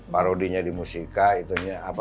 parodinya di musika itunya apa